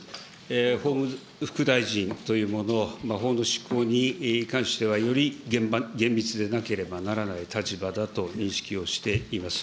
法務副大臣というもの、法の執行に関してはより厳密でなければならない立場だと認識をしています。